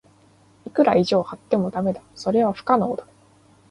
いくら意地を張っても駄目だ。それは不可能だ。